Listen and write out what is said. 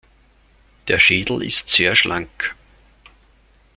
Der Schädel ist sehr schlank.